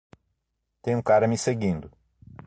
Tem um cara me seguindo